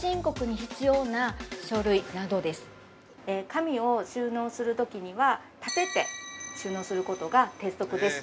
紙を収納するときには立てて収納することが鉄則です。